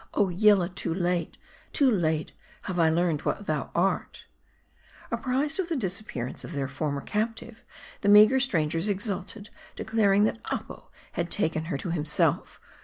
" Oh, Yillah ! too late, too late have I learned what thou art !" Apprised of the disappearance of their former captive, the meager strangers exulted ; declaring that Apo had taken her to himself.